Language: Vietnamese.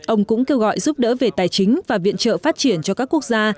ông cũng kêu gọi giúp đỡ về tài chính và viện trợ phát triển cho các quốc gia